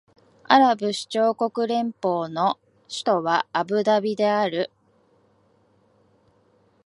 アラブ首長国連邦の首都はアブダビである